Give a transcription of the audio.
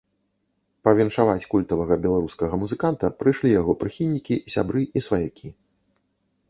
Павіншаваць культавага беларускага музыканта прыйшлі яго прыхільнікі, сябры і сваякі.